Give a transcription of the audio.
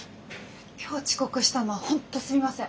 今日遅刻したのは本当すいません。